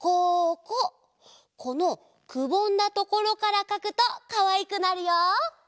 このくぼんだところからかくとかわいくなるよ。